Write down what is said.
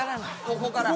ここから。